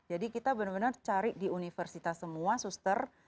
jadi kita benar benar cari di universitas semua suster